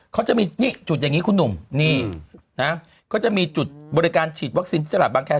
เขาจะมีนี่จุดอย่างนี้คุณหนุ่มนี่นะก็จะมีจุดบริการฉีดวัคซีนที่ตลาดบางแคร์